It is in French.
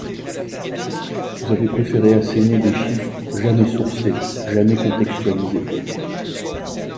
Vous avez préféré asséner des chiffres, jamais « sourcés », jamais contextualisés.